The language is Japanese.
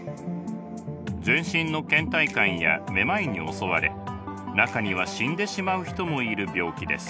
全身のけん怠感やめまいに襲われ中には死んでしまう人もいる病気です。